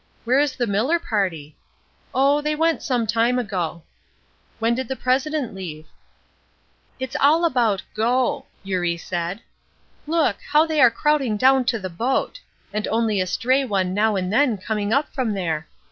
"Where is the Miller party?" "Oh, they went some time ago." "When did the president leave?" "It's all about 'go,'" Eurie said: "Look! How they are crowding down to the boat; and only a stray one now and then coming up from there.